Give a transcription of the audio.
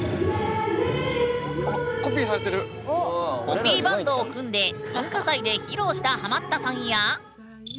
コピーバンドを組んで文化祭で披露したハマったさんや。